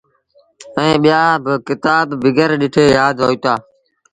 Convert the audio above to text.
ائيٚݩ ٻيآ با ڪتآب بيٚگر ڏٺي يآد هوئيٚتآ۔